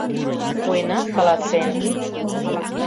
Пуэна каласен: